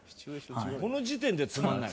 「この時点でつまんない」